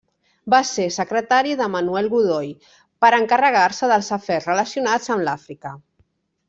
Va ser secretari de Manuel Godoy, per encarregar-se dels afers relacionats amb l'Àfrica.